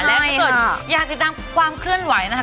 และถ้าเกิดอยากติดตามความเคลื่อนไหวนะคะ